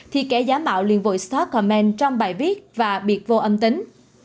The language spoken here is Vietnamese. thì kẻ giả mạo liên vội stalk comment trong bài viết và biệt vô âm tính